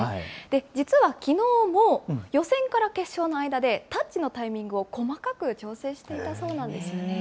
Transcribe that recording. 実はきのうも、予選から決勝の間で、タッチのタイミングを細かく調整していたそうなんですよね。